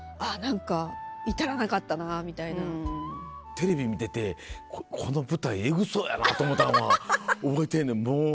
テレビ見ててこの舞台エグそうやなと思うたんは覚えてんねんもう。